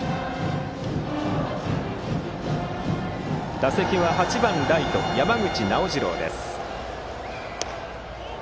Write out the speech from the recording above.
打席は８番ライト山口直次郎です。